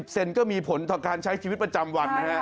เซนก็มีผลต่อการใช้ชีวิตประจำวันนะฮะ